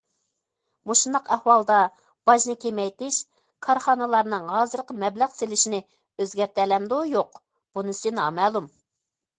مۇشۇنداق ئەھۋالدا، باجنى كېمەيتىش كارخانىلارنىڭ ھازىرقى مەبلەغ سېلىشىنى ئۆزگەرتەلەمدۇ- يوق؟ بۇنىسى نامەلۇم.